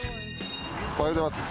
おはようございます。